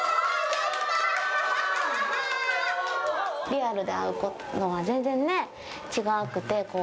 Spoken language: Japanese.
リアルで会うのは全然違って。